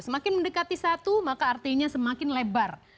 semakin mendekati satu maka artinya semakin lebar